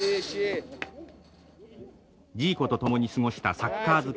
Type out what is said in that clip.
ジーコと共に過ごしたサッカー漬けの毎日。